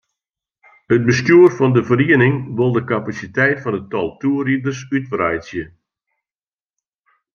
It bestjoer fan de feriening wol de kapasiteit fan it tal toerriders útwreidzje.